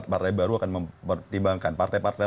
partai baru akan mempertimbangkan partai partai